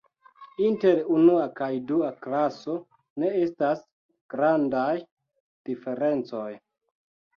Inter unua kaj dua klaso ne estas grandaj diferencoj.